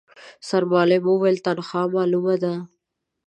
سرمعلم وويل، تنخوا مالومه ده.